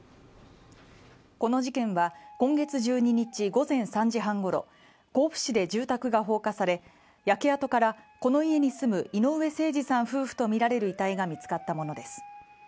この事件は今月１２日午前３時半ごろ甲府市で住宅が放火され焼け跡からこの家に住む井上盛司さん夫婦とみられる遺体が見つかったものです